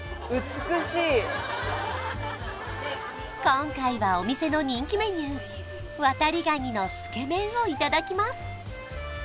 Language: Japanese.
今回はお店の人気メニュー渡り蟹のつけ麺をいただきます